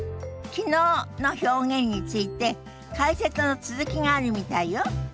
「昨日」の表現について解説の続きがあるみたいよ。